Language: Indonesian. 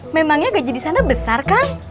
memangnya gaji di sana besar kan